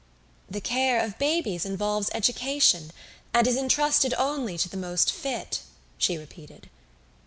"The care of babies involves education, and is entrusted only to the most fit," she repeated.